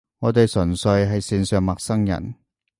我哋純粹係線上陌生人